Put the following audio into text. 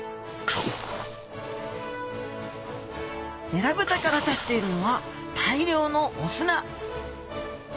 エラブタから出しているのは大量のお砂！